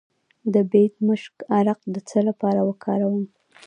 د بیدمشک عرق د څه لپاره وکاروم؟